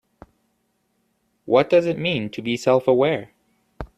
What does it mean to be self-aware?